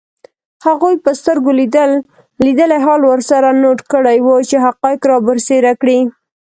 هغوی به سترګو لیدلی حال ورسره نوټ کړی وي چي حقایق رابرسېره کړي